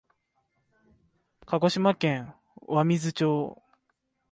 鹿児島県湧水町